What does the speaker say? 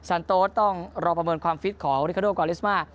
ันโต๊ต้องรอประเมินความฟิตของริคาโดกอลิสมา